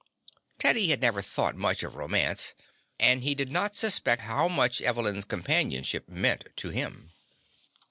Teddy had never thought much of romance, and he did not suspect how much Evelyn's companionship meant to him.